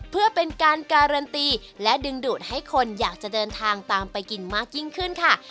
เพื่อเป็นการการันตีและดึงดูดให้คนอยากจะเดินทางตามไปกินมากยิ่งขึ้นค่ะ